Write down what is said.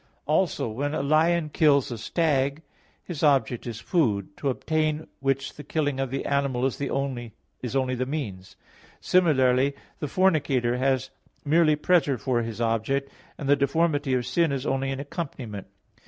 Also when a lion kills a stag, his object is food, to obtain which the killing of the animal is only the means. Similarly the fornicator has merely pleasure for his object, and the deformity of sin is only an accompaniment.